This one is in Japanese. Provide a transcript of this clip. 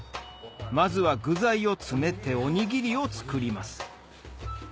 まずは具材を詰めておにぎりを作ります